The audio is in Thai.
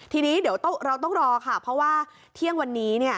ทีนี้เดี๋ยวเราต้องรอค่ะเพราะว่าเที่ยงวันนี้